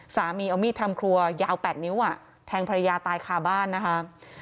สามีเอามีดทำครัวยาว๘นิ้วแทงภรรยาตายคาบ้านนะคะ